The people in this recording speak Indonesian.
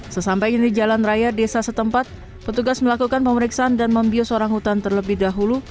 sesampainya di jalan raya desa setempat petugas melakukan pemeriksaan dan membius orang hutan terlebih dahulu